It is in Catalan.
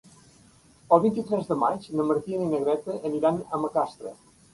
El vint-i-tres de maig na Martina i na Greta aniran a Macastre.